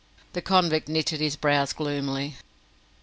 The convict knitted his brows gloomily.